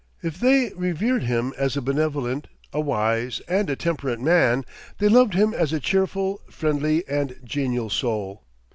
If they revered him as a benevolent, a wise, and a temperate man, they loved him as a cheerful, friendly, and genial soul.